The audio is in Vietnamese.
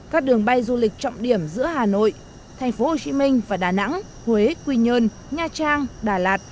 các đường bay du lịch trọng điểm giữa hà nội tp hcm và đà nẵng huế quy nhơn nha trang đà lạt